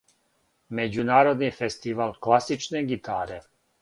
Међународни фестивал класичне гитаре.